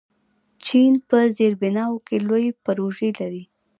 چین په زیربناوو کې لوی پروژې لري.